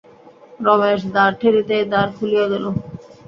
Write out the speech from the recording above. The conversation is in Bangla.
রমেশ দ্বার ঠেলিতেই দ্বার খুলিয়া গেল।